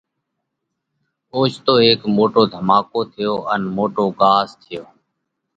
اوچتو هيڪ موٽو ڌماڪو ٿيو ان موٽو ڳاز ٿيو۔